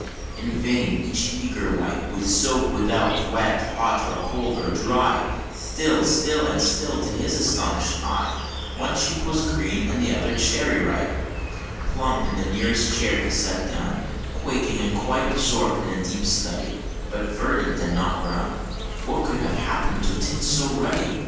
In vain each eager wipe, With soap without wet hot or cold or dry, Still, still, and still, to his astonished eye One cheek was green, the other cherry ripe! Plump in the nearest chair he sat him down, Quaking, and quite absorb'd in a deep study, But verdant and not brown, What could have happened to a tint so ruddy?